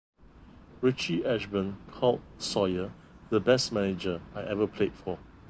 Richie Ashburn called Sawyer the best manager I ever played for.